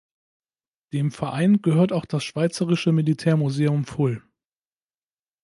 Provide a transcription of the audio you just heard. Dem Verein gehört auch das Schweizerische Militärmuseum Full.